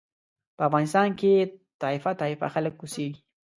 په افغانستان کې طایفه طایفه خلک اوسېږي.